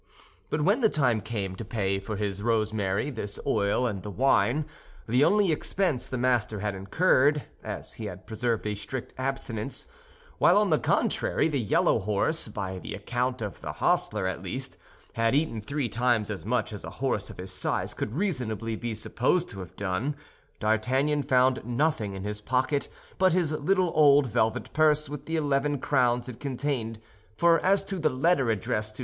But when the time came to pay for his rosemary, this oil, and the wine, the only expense the master had incurred, as he had preserved a strict abstinence—while on the contrary, the yellow horse, by the account of the hostler at least, had eaten three times as much as a horse of his size could reasonably be supposed to have done—D'Artagnan found nothing in his pocket but his little old velvet purse with the eleven crowns it contained; for as to the letter addressed to M.